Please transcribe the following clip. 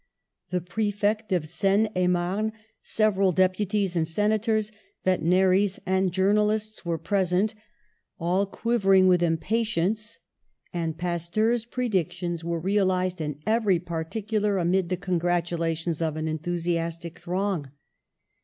The prefect of Seine et Marne, several deputies and senators, veteri naries and journalists were present, all quiver ing with impatience — and Pasteur's predictions were realised in every particular amid the con gratulations of an enthusiastic throng.